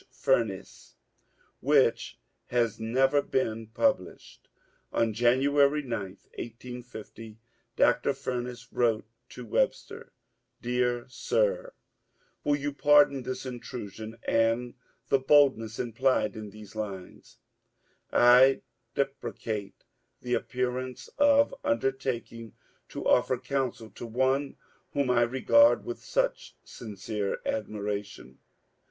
Fumess, which has never been published. On January 9, 1860, Dr. Furness wrote to Web ster: — Deab Sib, — Will you pardon this intrusion and the bold ness implied in these lines ? I deprecate the appearance of undertaking to offer counsel to one whom I regard with such sincere admiration.